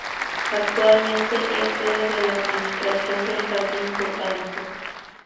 Actualmente es sede de la Administración del Jardín Botánico.